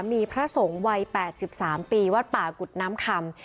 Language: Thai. มีพระสงฆ์วัยแปดสิบสามปีแวดป่ากุฏน้ำคำ